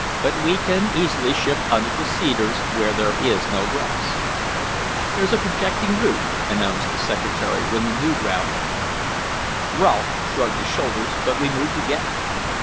But we can easily shift under the cedars where there is no grass." "Here's a projecting root," announced the Secretary, when the new ground had been reached. Rolfe shrugged his shoulders, but we moved again.